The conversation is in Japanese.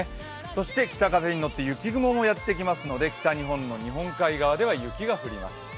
そして北風に乗って雪雲もやってきますので、北日本の日本海側で雪が降ります。